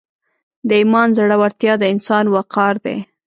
د ایمان زړورتیا د انسان وقار دی.